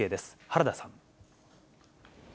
原田さん。